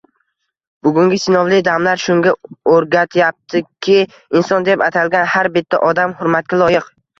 Bugungi sinovli damlar shunga oʻrgatyaptiki, inson deb atalgan har bitta odam hurmatga loyiq.